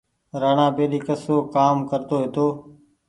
رآڻآ پهيلي ڪسو ڪآم ڪرتو هيتو۔